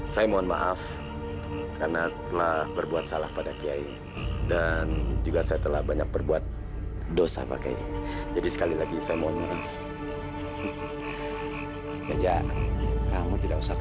sampai jumpa di video selanjutnya